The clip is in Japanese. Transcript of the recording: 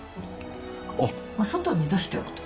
外に出しておくと。